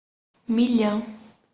Milhã